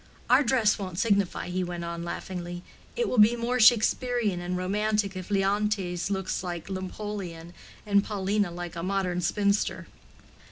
Our dress won't signify," he went on laughingly; "it will be more Shakespearian and romantic if Leontes looks like Napoleon, and Paulina like a modern spinster."